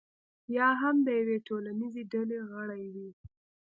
یا هم د یوې ټولنیزې ډلې غړی وي.